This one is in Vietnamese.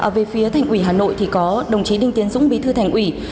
về phía thành ủy hà nội thì có đồng chí đinh tiến dũng bí thư thành ủy